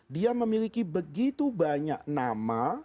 dia memiliki begitu banyak nama